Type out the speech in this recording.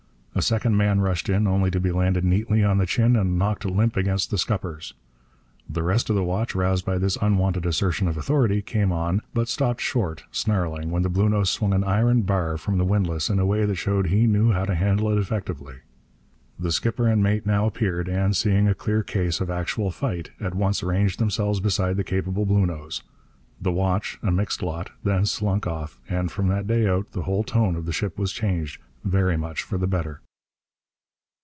A second man rushed in, only to be landed neatly on the chin and knocked limp against the scuppers. The rest of the watch, roused by this unwonted assertion of authority, came on, but stopped short, snarling, when the Bluenose swung an iron bar from the windlass in a way that showed he knew how to handle it effectively. The skipper and mate now appeared, and, seeing a clear case of actual fight, at once ranged themselves beside the capable Bluenose. The watch, a mixed lot, then slunk off; and, from that day out, the whole tone of the ship was changed, very much for the better.